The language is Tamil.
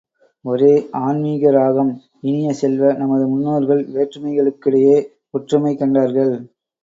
ஒரே ஆன்மீக ராகம் இனிய செல்வ, நமது முன்னோர்கள் வேற்றுமைகளுக்கிடையே ஒற்றுமை கண்டார்கள்.